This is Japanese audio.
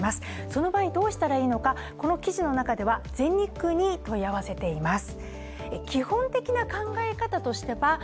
その場合どうしたらいいのかこの記事の中では、全日空に問い合わせています。